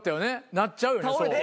なっちゃうよねそう。